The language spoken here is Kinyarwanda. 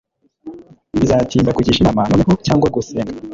bizatinda kugisha inama noneho cyangwa gusenga